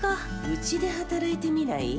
うちで働いてみない？